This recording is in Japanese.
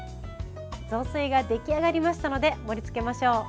雑炊が出来上がりましたので盛りつけましょう。